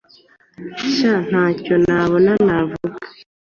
sha ntacyo nabona navuga